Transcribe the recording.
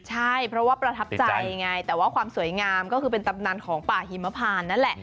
ใช่เพราะว่าประทับใจไงแต่ว่าความสวยงามก็คือเป็นตำนานของป่าหิมพานนั่นแหละ